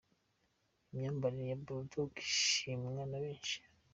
Imyambarire ya Bull Dogg ishimwa na benshi.